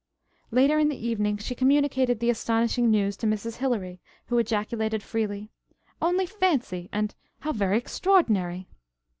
Later in the evening she communicated the astonishing news to Mrs. Hilary, who ejaculated freely: "Only fancy!" and "How very extraordinary!"